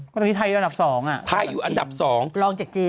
ก็ที่ไทยอยู่อันดับ๒อ่ะ